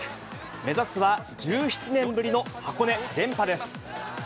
目指すは１７年ぶりの箱根連覇です。